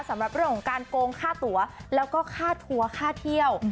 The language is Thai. สำหรับเรื่องของการโกงค่าตัวแล้วก็ค่าทัวร์ค่าเที่ยว